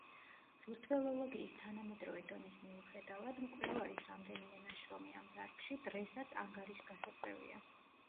რუსთველოლოგიის თანამედროვე დონის მიუხედავად, მკვლევარის რამდენიმე ნაშრომი ამ დარგში, დრესაც ანგარიშგასაწევია.